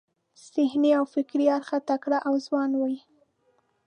ذهني او فزیکي اړخه تکړه او ځوان وي.